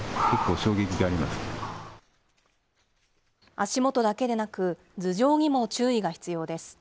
足元だけでなく、頭上にも注意が必要です。